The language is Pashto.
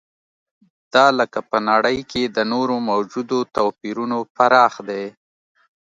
دا لکه په نړۍ کې د نورو موجودو توپیرونو پراخ دی.